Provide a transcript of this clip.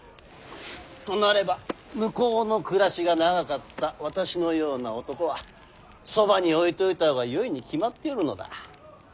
となれば向こうの暮らしが長かった私のような男はそばに置いておいた方がよいに決まっておるのだ。